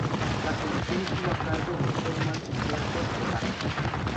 La conducción estuvo a cargo del Showman Humberto de Vargas.